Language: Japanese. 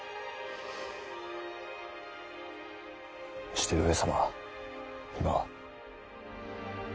して上様は今は？